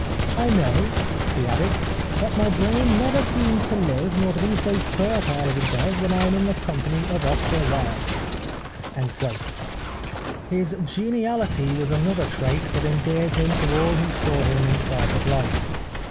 I know," he added " that my brain never seems to Hve nor to be so fertile as it does when I am in the company of Oscar Wilde." His geniality was another trait that endeared him to all who saw him in private life.